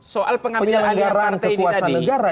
soal pengambilan kekuasaan negara